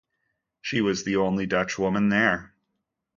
She was the only Dutch woman there.